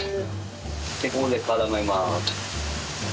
ここで絡めます。